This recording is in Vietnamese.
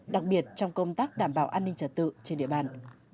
đặc biệt trong công tác đảm bảo an ninh trật tự trên địa bàn